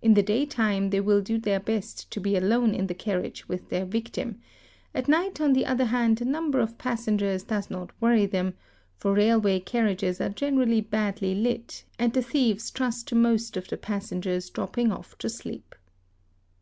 In the daytime they will do their best to be alone MALES REARS SAA Y EW ISD 5 5 NALIN IO SETAE ELE AAW AL RPO BS YARN in the carriage with their victim, at night on the other hand a number of "passengers does not worry them, for railway carriages are generally badly "lit and the thieves trust to most of the passengers dropping off to sleep.